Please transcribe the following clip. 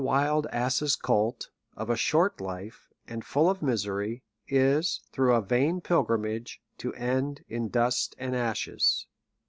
XXlll a >vild ass's colt, of a short life, and full of misery, is, through a vain pilgrimage, to end in dust and ashes.